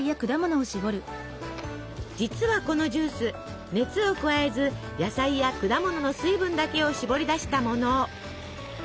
実はこのジュース熱を加えず野菜や果物の水分だけをしぼり出したもの。